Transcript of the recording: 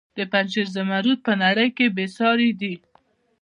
د پنجشیر زمرد په نړۍ کې بې ساري دي